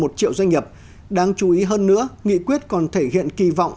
một triệu doanh nghiệp đáng chú ý hơn nữa nghị quyết còn thể hiện kỳ vọng